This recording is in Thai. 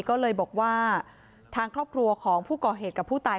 ก็เลยบอกว่าทางครอบครัวของผู้ก่อเหตุกับผู้ตาย